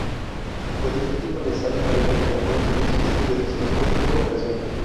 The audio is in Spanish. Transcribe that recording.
Reduce el tiempo necesario para implementar nuevos servicios y reduce los costos de operación.